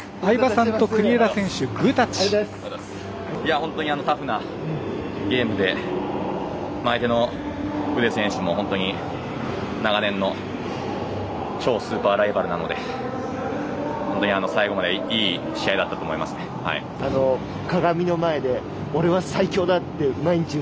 本当にタフなゲームで相手のウーデ選手も本当に長年の超スーパーライバルなので本当に最後までいい試合だったと思いますね。